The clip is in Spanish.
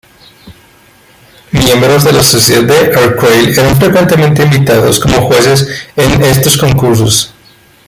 Miembros de la Sociedad de Arcueil eran frecuentemente invitados como jueces en estos concursos.